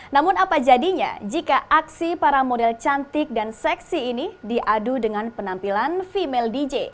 namun apa jadinya jika aksi para model cantik dan seksi ini diadu dengan penampilan female dj